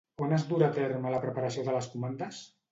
On es durà a terme la preparació de les comandes?